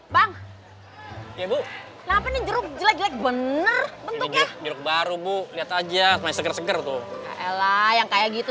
bang ibu nama ngejok jelek jelek bener bener baru bu lihat aja seger seger tuh yang kayak gitu